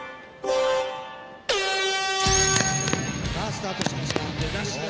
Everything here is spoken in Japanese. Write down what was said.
さあスタートしました。